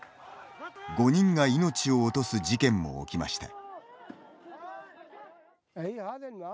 ５人が命を落とす事件も起きました。